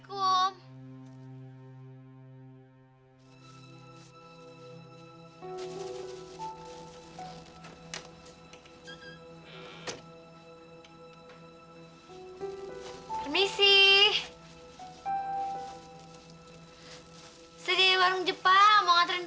kok mikirnya kayak gitu gitu